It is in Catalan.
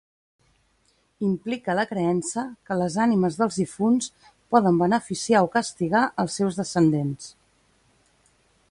Implica la creença que les ànimes dels difunts poden beneficiar o castigar els seus descendents.